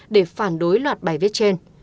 để phản đối loạt bài viết trên